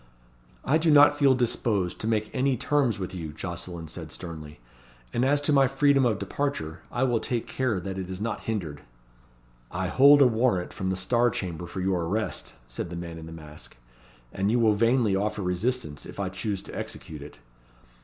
"I do not feel disposed to make any terms with you," Jocelyn said sternly; "and as to my freedom of departure, I will take care that it is not hindered." "I hold a warrant from the Star Chamber for your arrest," said the man in the mask; "and you will vainly offer resistance if I choose to execute it.